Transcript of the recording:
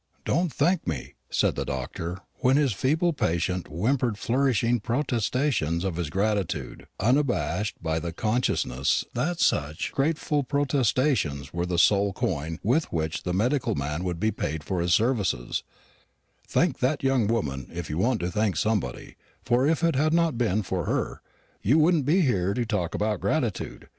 "Don't thank me," said the doctor, when his feeble patient whimpered flourishing protestations of his gratitude, unabashed by the consciousness that such grateful protestations were the sole coin with which the medical man would be paid for his services; "thank that young woman, if you want to thank anybody; for if it had not been for her you wouldn't be here to talk about gratitude.